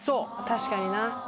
確かにな。